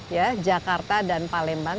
yakarta dan palembang